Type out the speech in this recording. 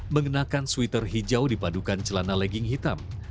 mengenakan sweater hijau dipadukan celana legging hitam